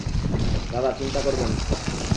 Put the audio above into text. দাদা, চিন্তা করবেন না।